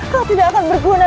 kau tidak akan berguna